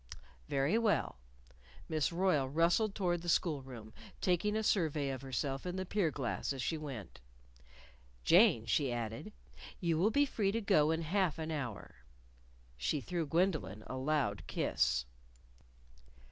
"Very well." Miss Royle rustled toward the school room, taking a survey of herself in the pier glass as she went. "Jane," she added, "you will be free to go in half an hour." She threw Gwendolyn a loud kiss.